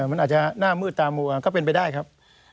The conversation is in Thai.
มันอาจจะหน้ามืดตามัวก็เป็นไปได้ครับ